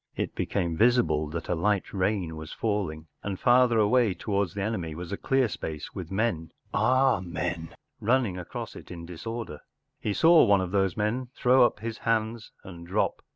It became visible that a light rain was falling, and farther away towards the enemy was a dear space with men—“ our men ? n —running across it in disorder. He saw one of those men throw up his hands and drop.